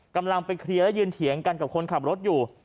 กำลังไปเคลียร์และยืนเถียงกันกับคนขับรถอยู่